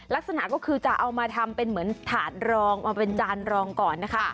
ลักษณะก็คือจะเอามาทำเป็นเหมือนถาดรองเอาเป็นจานรองก่อนนะคะ